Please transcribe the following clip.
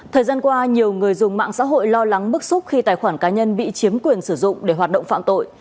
thời gian qua nhiều người dùng mạng xã hội lo lắng bức xúc khi tài khoản cá nhân bị chiếm quyền sử dụng để hoạt động phạm tội